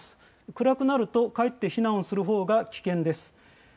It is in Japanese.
暗くなると、かえって避難するほうが危険です。